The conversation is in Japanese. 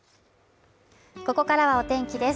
ここからはお天気です